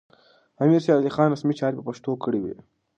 امیر شېرعلي خان رسمي چارې په پښتو کړې وې.